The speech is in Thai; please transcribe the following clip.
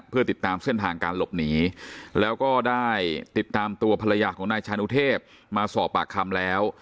เพื่อติดตามเส้นทางการหลบหนีแล้วก็ได้ติดตามตัวภรรยาของนายชานุเทพมาสอบปากคำแล้ว